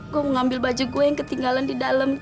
gue mau ngambil baju gue yang ketinggalan di dalam